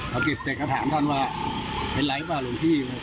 เขากินเจ็บก็ถามท่านว่าเป็นไรเปล่าหลวงพี่